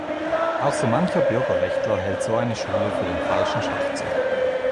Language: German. Auch so mancher Bürgerrechtler hält so eine Schule für den falschen Schachzug.